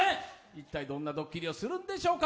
一体どんなドッキリをするんでしょうか。